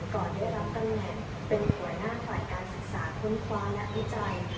ก่อนได้รับตำแหน่งเป็นหัวหน้าฝ่ายการศึกษาค้นคว้านักวิจัย